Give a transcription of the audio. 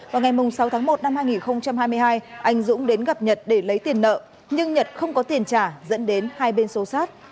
vào ngày sáu tháng một năm hai nghìn hai mươi hai anh dũng đến gặp nhật để lấy tiền nợ nhưng nhật không có tiền trả dẫn đến hai bên xô sát